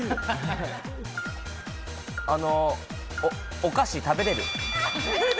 お菓子、食べれる。